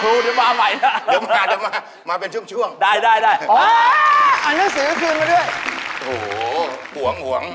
ครูจะมาใหม่นะ